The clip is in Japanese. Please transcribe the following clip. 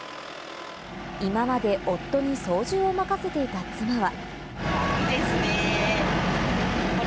今まで夫に操縦を任せていた妻は。